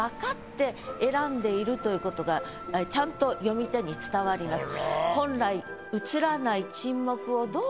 それ全部ということがちゃんと読み手に伝わります。